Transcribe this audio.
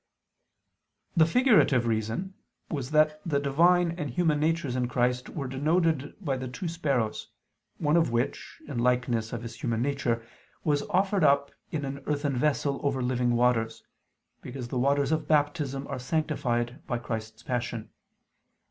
The figurative reason was that the Divine and human natures in Christ were denoted by the two sparrows, one of which, in likeness of His human nature, was offered up in an earthen vessel over living waters, because the waters of Baptism are sanctified by Christ's Passion.